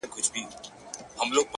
باداره ستا رټلی مخلوق موږه رټي اوس-